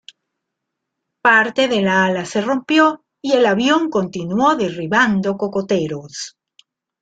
Parte del ala se rompió y el avión continuó derribando cocoteros.